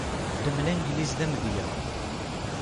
Ddem Langliz d amedya.